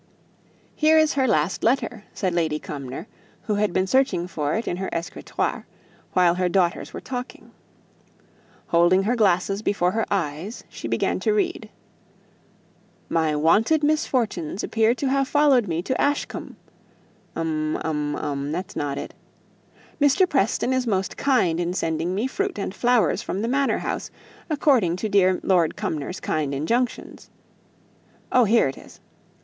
"Here is her last letter," said Lady Cumnor, who had been searching for it in her escritoire, while her daughters were talking. Holding her glasses before her eyes, she began to read, "'My wonted misfortunes appear to have followed me to Ashcombe' um, um, um; that's not it 'Mr. Preston is most kind in sending me fruit and flowers from the Manor house, according to dear Lord Cumnor's kind injunction.' Oh, here it is!